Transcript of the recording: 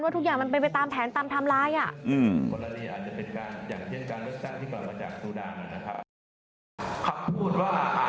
ว่าทุกอย่างมันเป็นไปตามแผนตามทำร้าย